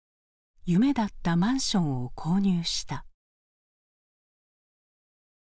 夢だったマンションを購入した。